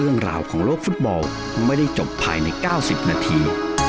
เรื่องราวของโลกฟุตบอลไม่ได้จบภายใน๙๐นาที